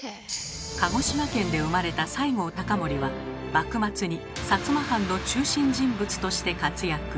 鹿児島県で生まれた西郷隆盛は幕末に摩藩の中心人物として活躍。